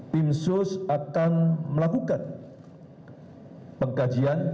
tim sus akan melakukan pengkajian